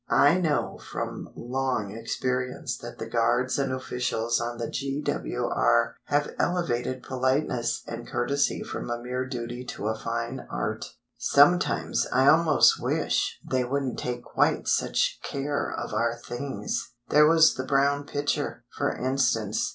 I know from long experience that the guards and officials on the G.W.R. have elevated politeness and courtesy from a mere duty to a fine art. Sometimes I almost wish they wouldn't take quite such care of our things! There was the brown pitcher, for instance.